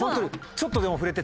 ちょっとでも触れて。